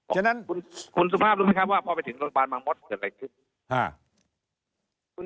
ฉะนั้นคุณสุภาพรู้ไหมครับว่าพอไปถึงโรงพยาบาลบางมดเกิดอะไรขึ้น